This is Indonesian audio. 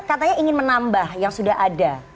katanya ingin menambah yang sudah ada